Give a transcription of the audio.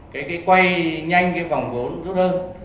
cái quay nhanh cái vòng vốn rốt hơn